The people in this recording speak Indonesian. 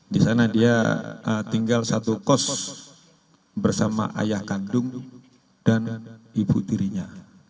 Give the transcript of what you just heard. di sana dia tinggal satu kos bersama ayah kandung dan ibu tirinya